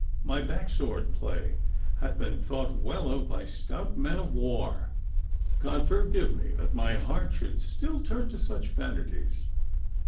My backsword play hath been thought well of by stout men of war. God forgive me that my heart should still turn to such vanities.